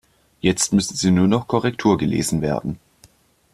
Jetzt müssen sie nur noch Korrektur gelesen werden.